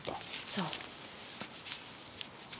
そう。